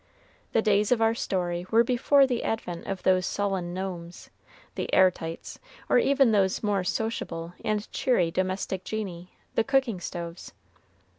The days of our story were before the advent of those sullen gnomes, the "air tights," or even those more sociable and cheery domestic genii, the cooking stoves.